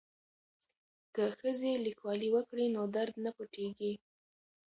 که ښځې لیکوالي وکړي نو درد نه پټیږي.